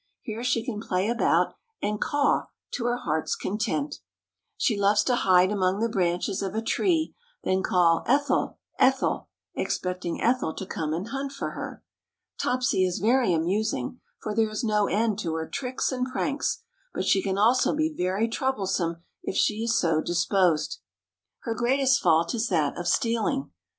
Here she can play about and "caw" to her heart's content. She loves to hide among the branches of a tree, then call, "Ethel, Ethel," expecting Ethel to come and hunt for her. Topsy is very amusing, for there is no end to her tricks and pranks, but she can also be very troublesome if she is so disposed. Her greatest fault is that of stealing.